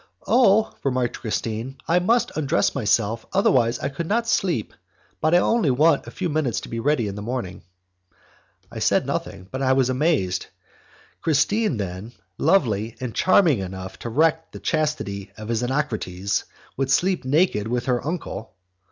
"Oh!" remarked Christine, "I must undress myself, otherwise I could not sleep, but I only want a few minutes to get ready in the morning." I said nothing, but I was amazed. Christine then, lovely and charming enough to wreck the chastity of a Xenocrates, would sleep naked with her uncle!